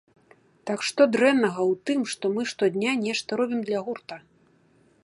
Так, што дрэннага ў тым, што мы штодня нешта робім для гурта?